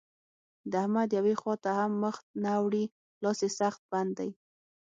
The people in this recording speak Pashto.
د احمد يوې خوا ته هم مخ نه اوړي؛ لاس يې سخت بند دی.